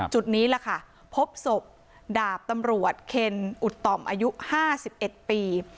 นี้ล่ะค่ะพบศพดาบตำรวจเคนอุดต่อมอายุ๕๑ปี